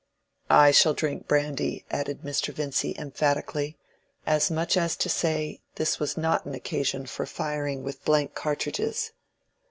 "I shall drink brandy," added Mr. Vincy, emphatically—as much as to say, this was not an occasion for firing with blank cartridges.